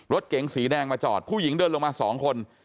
รถเก๋งสีแดงมาจอดผู้หญิงเดินลงมา๒คน